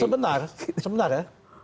sebentar sebentar ya